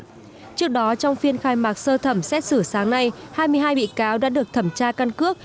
trước đó trong phiên khai mạc sơ thẩm xét xử sáng nay hai mươi hai bị cáo đã được thẩm tra căn cước